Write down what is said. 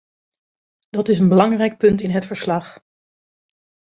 Dat is een belangrijk punt in het verslag.